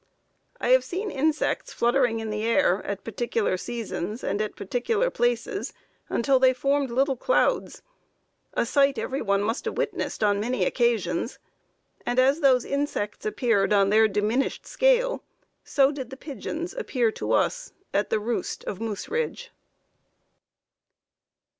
I have seen insects fluttering in the air at particular seasons, and at particular places, until they formed little clouds; a sight every one must have witnessed on many occasions; and as those insects appeared, on their diminished scale, so did the pigeons appear to us at the roost of Mooseridge."